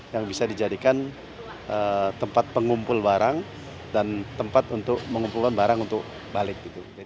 yang bisa dijadikan tempat pengumpul barang dan tempat untuk mengumpulkan barang untuk balik